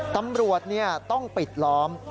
ตำรวจต้องปิดล้อม